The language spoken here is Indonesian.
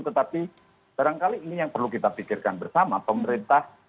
tetapi barangkali ini yang perlu kita pikirkan bersama pemerintah